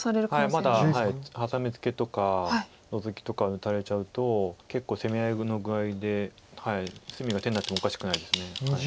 まだハサミツケとかノゾキとか打たれちゃうと結構攻め合いの具合で隅が手になってもおかしくないです。